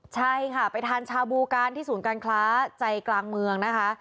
ใช่ค่ะไปทานชาบูกันที่ศูนย์การค้าใจกลางเมืองนะคะ